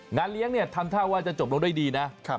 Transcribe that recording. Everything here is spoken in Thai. งานเลี้ยงเนี่ยทำท่าว่าจะจบลงด้วยดีนะ